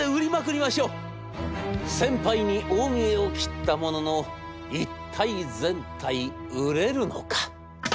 先輩に大見得を切ったものの一体全体売れるのか？